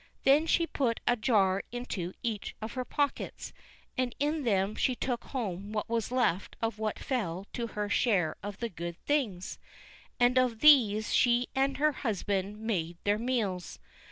Then she put a jar into each of her pockets, and in them she took home what was left of what fell to her share of the good things, and of these she and her husband made their meals.